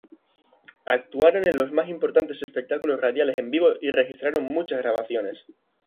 Actuaron en los más importantes espectáculos radiales en vivo y registraron muchas grabaciones.